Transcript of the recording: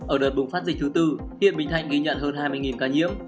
ở đợt bùng phát dịch thứ tư hiện bình thạnh ghi nhận hơn hai mươi ca nhiễm